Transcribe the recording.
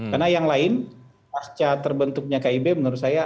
karena yang lain pasca terbentuknya kib menurut saya